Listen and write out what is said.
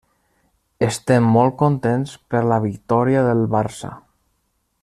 Estem molt contents per la victòria del Barça.